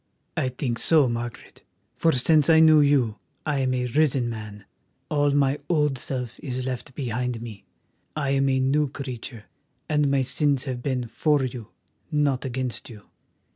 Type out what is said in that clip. "I think so, Margaret, for since I knew you I am a risen man; all my old self is left behind me, I am a new creature, and my sins have been for you, not against you.